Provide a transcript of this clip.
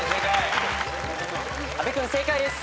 阿部君正解です。